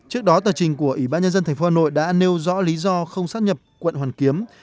hành trình của ủy ban nhân dân tp hà nội đã nêu rõ lý do không xác nhập quận hoàn kiếm